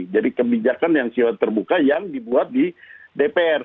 jadi kebijakan yang terbuka yang dibuat di dpr